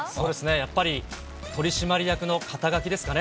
やっぱり取締役の肩書ですかね。